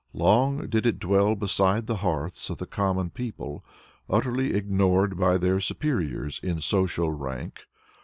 Long did it dwell beside the hearths of the common people, utterly ignored by their superiors in social rank.